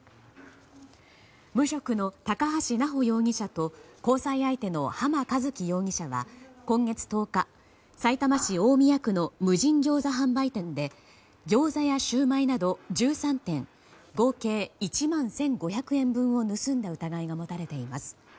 無職の高橋直穂容疑者と交際相手の濱一輝容疑者が今月１０日、さいたま市大宮区の無人ギョーザ販売店でギョーザやシューマイなど１３点合計１万１５００円分を盗んだ疑いが持たれています。